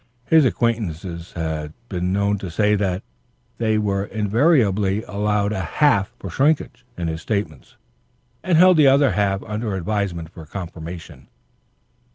His acquaintances had been known to say that they invariably allowed a half for shrinkage in his statements, and held the other half under advisement for confirmation.